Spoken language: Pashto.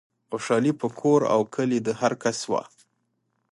خوشحالي په کور و کلي د هرکس وه